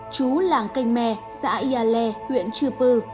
chú làng canh me xã yale huyện chư pư